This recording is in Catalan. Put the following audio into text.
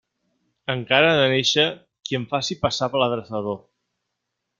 Encara ha de néixer qui em faci passar per l'adreçador.